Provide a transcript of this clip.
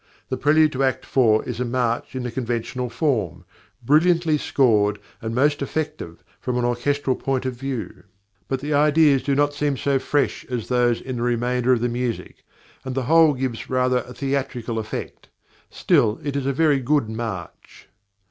The prelude to Act iv. is a march in the conventional form, brilliantly scored and most effective from an orchestral point of view; but the ideas do not seem so fresh as those in the remainder of the music, and the whole gives rather a theatrical effect. Still, it is a very good march.